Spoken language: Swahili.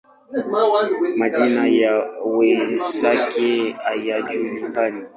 Majina ya wenzake hayajulikani.